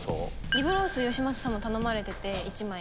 リブロースよしまささんも頼まれてて１枚。